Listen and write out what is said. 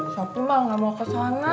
sopi mah nggak mau ke sana